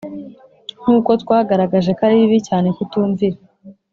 Nkuko twagaragaje ko ari bibi cyane kutumvira.